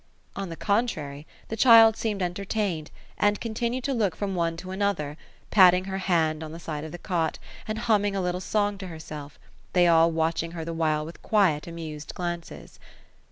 On the contrary, the child seemed entertained ; and continued to look from one to another, patting her hand on the end of the cot, and humming a little song to herself ; they all watching her the while with quiet, amused glances.